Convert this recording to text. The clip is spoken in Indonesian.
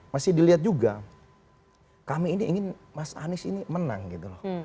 masih dilihat juga kami ini ingin mas anies ini menang gitu loh